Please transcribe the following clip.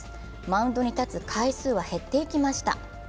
マウンドに立つ回数は減っていきました。